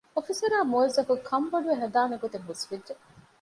އޮފިސަރާއި މުވައްޒަފު ކަންބޮޑުވެ ހަދާނެގޮތް ހުސްވެއްޖެ